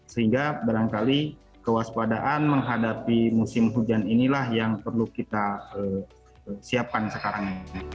sehingga barangkali kewaspadaan menghadapi musim hujan inilah yang perlu kita siapkan sekarang